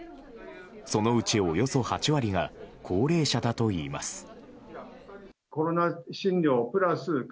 そのうち、およそ８割が高齢者だといいます。